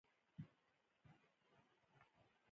ایا زه باید اکسیجن واخلم؟